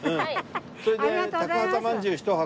それで高幡まんじゅう１箱。